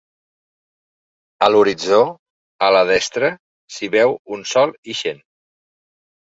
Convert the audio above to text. A l'horitzó, a la destra, s'hi veu un sol ixent.